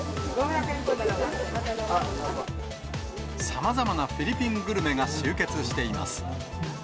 さまざまなフィリピングルメが集結しています。